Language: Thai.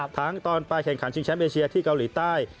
ทั้งตอนป้ายแข่งขันซิงเชียมเอเชียที่เกาหลีใต้